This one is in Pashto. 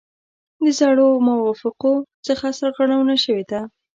د زړو موافقو څخه سرغړونه شوې ده.